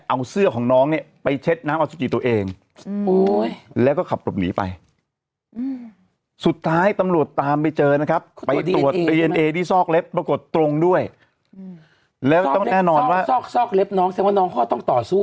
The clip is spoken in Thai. เอาเสื้อของน้องเนี่ยไปเช็ดน้ำอสุจิตัวเอง